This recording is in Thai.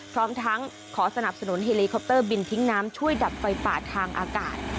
พร้อมทั้งขอสนับสนุนเฮลีคอปเตอร์บินทิ้งน้ำช่วยดับไฟป่าทางอากาศ